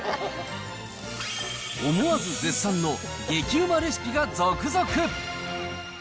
思わず絶賛の激ウマレシピが続々！